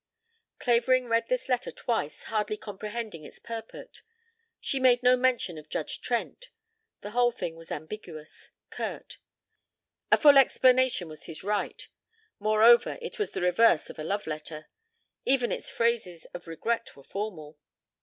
Clavering read this letter twice, hardly comprehending its purport. She made no mention of Judge Trent. The whole thing was ambiguous, curt. A full explanation was his right; moreover, it was the reverse of a love letter. Even its phrases of regret were formal.